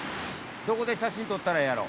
どこで写真撮ったらええやろ？